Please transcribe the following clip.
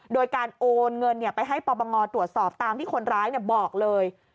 โดยการโอนเงินไปให้ปปงตรวจสอบตามที่คนร้ายบอกเลย